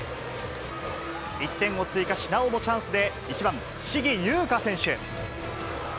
１点を追加し、なおもチャンスで、１番信貴友郁選手。